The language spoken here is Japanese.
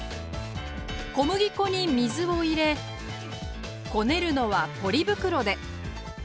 小麦粉に水を入れこねるのはポリ袋で。